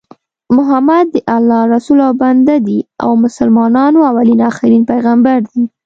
محمد د الله رسول او بنده دي او مسلمانانو اولين اخرين پیغمبر دي